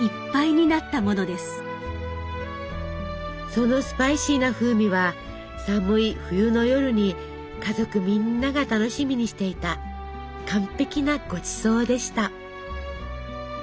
そのスパイシーな風味は寒い冬の夜に家族みんなが楽しみにしていた「完璧なごちそう」でした。